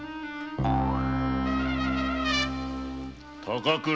高倉。